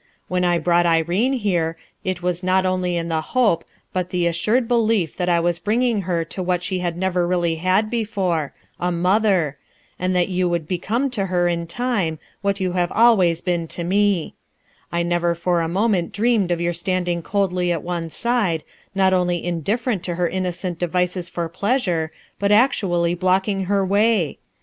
When I brought Irene here, it was not only in the hope but the assured belief that T was bringing her to what she had never really had before — a mother, — and that you would become to her in time, what you have always been to me, I never for a moment dreamed of your standing coldly at one side, not only in different to her innocent devices for pleasure, but actually blocking her way!